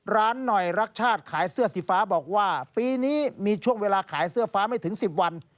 ร้านหน่อยรักชาติขายเสื้อสีฟ้าบอกว่าปีนี้มีช่วงเวลาขายเสื้อฟ้าไม่ถึง๑๐วัน